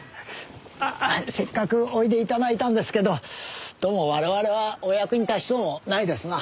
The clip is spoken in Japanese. せっかくおいで頂いたんですけどどうも我々はお役に立ちそうもないですな。